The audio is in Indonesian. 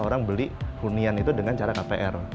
orang beli hunian itu dengan cara kpr